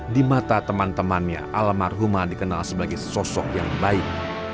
di mata teman temannya almarhumah dikenal sebagai sosok yang baik